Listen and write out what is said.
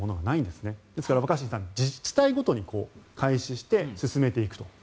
ですから若新さん自治体ごとに開始して進めていくと。